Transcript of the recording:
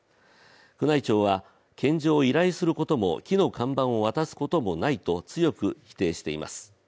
宮内庁は献上を依頼することも木の看板を渡すこともないと強く否定しています。